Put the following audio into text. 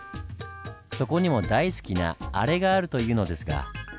そこにも大好きなアレがあるというのですが。